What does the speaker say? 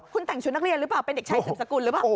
คุณแต่งชุดนักเรียนหรือเปล่าเป็นเด็กชายสืบสกุลหรือเปล่า